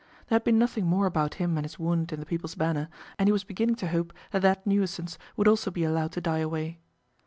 There had been nothing more about him and his wound in the People's Banner, and he was beginning to hope that that nuisance would also be allowed to die away.